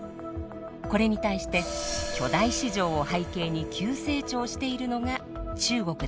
これに対して巨大市場を背景に急成長しているのが中国です。